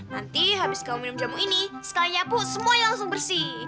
nanti habis kamu minum jamu ini sekali nyapu semua ya langsung bersih